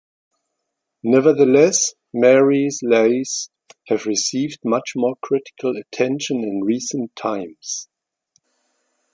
Nevertheless, Marie's lais have received much more critical attention in recent times.